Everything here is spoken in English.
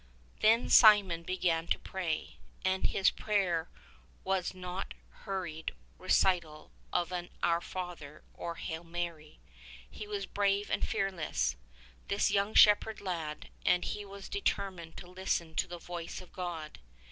Then Simeon began tO' pray, and his prayer was no hur ried recital of an Our Father or a Hail Mary. He was brave and fearless — this young shepherd lad, and he was deter mined to listen to the voice of God.